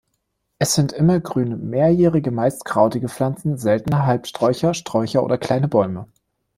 Es sind immergrüne, mehrjährige, meist krautige Pflanzen, seltener Halbsträucher, Sträucher oder kleine Bäume.